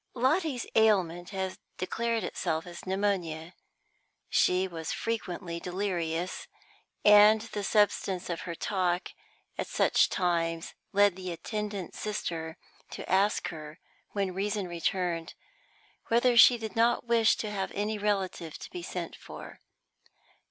Lotty's ailment had declared itself as pneumonia. She was frequently delirious, and the substance of her talk at such times led the attendant Sister to ask her, when reason returned, whether she did not wish any relative to be sent for.